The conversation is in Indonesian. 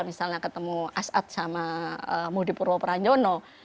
misalnya ketemu as'ad sama muhyiddin purwokadzim